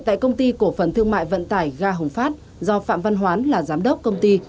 tại công ty cổ phần thương mại vận tải ga hồng phát do phạm văn hoán là giám đốc công ty